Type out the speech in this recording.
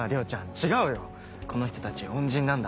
違うよこの人たち恩人なんだ。